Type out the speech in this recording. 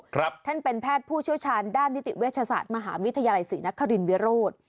ท่านเป็นแพทย์ผู้เชี่ยวชาญด้านนิติเวชศาสตร์มหาวิทยาลัยศรีนครินวิโรธ